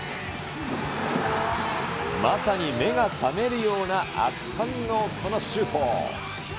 まさに目が覚めるような圧巻のこのシュート。